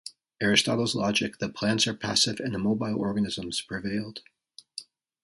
Aristotle's logic that plants are passive and immobile organisms prevailed.